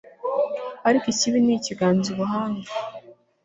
ariko ikibi ntikiganza ubuhanga